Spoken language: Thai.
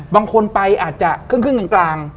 บางคนไปอาจจะขึ้นขึ้นกลาง